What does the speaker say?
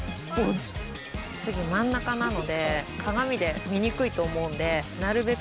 次真ん中なので鏡で見にくいと思うんでなるべく。